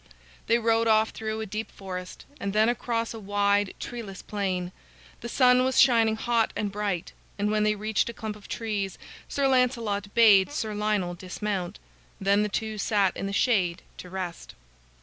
They rode off through a deep forest, and then across a wide, treeless plain. The sun was shining hot and bright, and when they reached a clump of trees, Sir Lancelot bade Sir Lionel dismount. Then the two sat in the shade to rest.